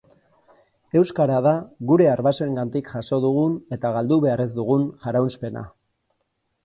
Euskara da gure arbasoengandik jaso dugun eta galdu behar ez dugun jaraunspena.